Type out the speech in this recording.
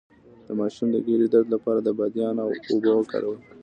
د ماشوم د ګیډې درد لپاره د بادیان اوبه ورکړئ